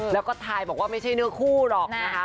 แล้วก็ทายบอกว่าไม่ใช่เนื้อคู่หรอกนะคะ